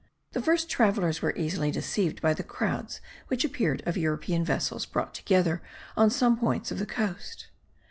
The first travellers were easily deceived by the crowds which the appearance of European vessels brought together on some points of the coast.